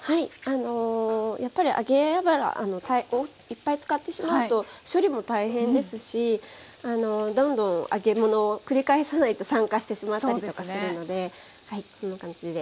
やっぱり揚げ油いっぱい使ってしまうと処理も大変ですしどんどん揚げ物繰り返さないと酸化してしまったりとかするのでこんな感じで。